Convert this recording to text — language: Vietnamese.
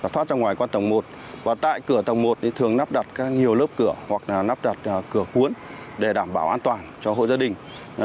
thoát ra ngoài qua tầng một và tại cửa tầng một thì thường nắp đặt nhiều lớp cửa hoặc là nắp đặt cửa cuốn để đảm bảo an toàn cho hội gia đình